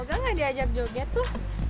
gagal gak diajak joget tuh